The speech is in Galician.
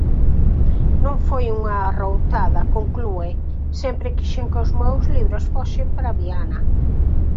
"Non foi unha arroutada", conclúe, "sempre quixen que os meus libros fosen para Viana".